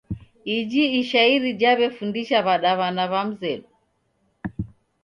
Iji ishairi jaw'efundisha w'adaw'ana w'a mzedu.